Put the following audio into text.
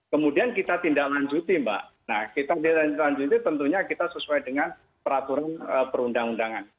kemudian kita tindak lanjuti mbak kita tindak lanjuti tentunya sesuai dengan peraturan perundangan